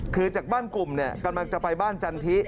คือจากบ้านกลุ่มเนี่ยกำลังจะไปบ้านจันทิ